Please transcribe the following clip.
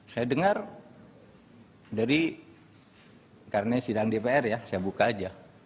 saya dengar jadi karena sidang dpr ya saya buka aja